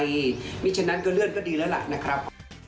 เพราะฉะนั้นก็เลื่อนก็ดีแล้วล่ะนะครับ